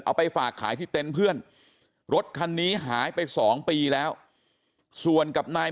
เอาไปฝากขายที่เต็นต์เพื่อนรถคันนี้หายไป๒ปีแล้วส่วนกับนาย